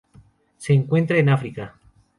Se encuentran en África.